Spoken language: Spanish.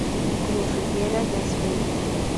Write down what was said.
Cruz Rivera, Yasmine.